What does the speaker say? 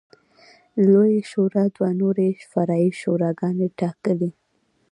لویې شورا دوه نورې فرعي شوراګانې ټاکلې.